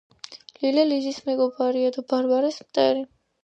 ლილე ლიზის მეგობარია და ბარბარეს მტერი